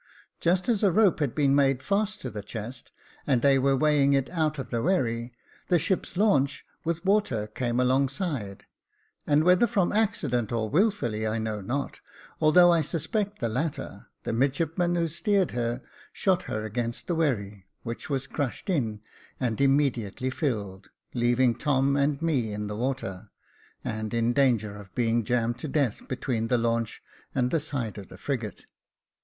Just as a rope had been made fast to the chest, and they were weighing it out of the wherry, the ship's launch with water came alongside, and, whether from accident, or wilfully, I know not, although I suspect the latter, the midshipman who steered her, shot her against the wherry, which was crushed in, and immediately filled, leaving Tom and me in the water, and in danger of being jammed to death between the launch and the side of the frigate.